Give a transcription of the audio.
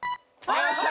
よっしゃ！